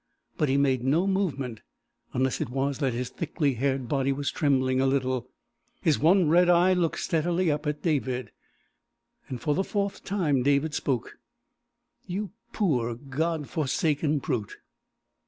But he made no movement, unless it was that his thickly haired body was trembling a little. His one red eye looked steadily up at David. For the fourth time David spoke; "You poor, God forsaken brute!"